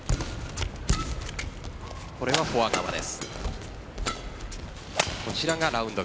これはフォア側です。